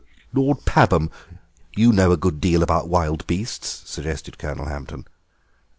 "Lord Pabham, you know a good deal about wild beasts—" suggested Colonel Hampton.